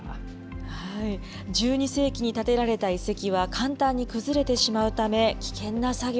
１２世紀に建てられた遺跡は簡単に崩れてしまうため、危険な作業。